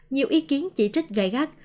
nhiều ý kiến chỉ trích gây gác